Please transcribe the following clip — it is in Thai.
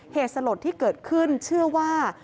เหตุสลดที่เกิดขึ้นเชื่อว่า